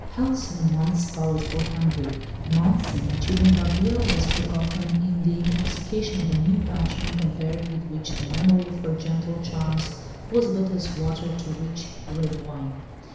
Halcyon months followed for Henri months in which even Gabrielle was forgotten in the intoxication of a new passion, compared with which the memory of her gentle charms was but as water to rich, red wine.